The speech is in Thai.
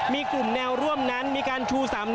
มีกลุ่มแนวร่วมนั้นมีการชู๓๓